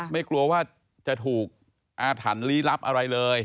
ไม่กลัวว่าจะถูกอาถรรพ์ลี้ลับอะไรเลย